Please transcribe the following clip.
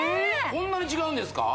こんなに違うんですか？